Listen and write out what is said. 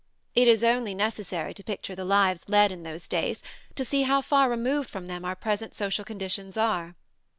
It is only necessary to picture the lives led in those days to see how far removed from them our present social conditions are.